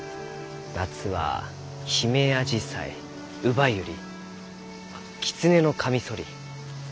夏はヒメアジサイウバユリキツネノカミソリ。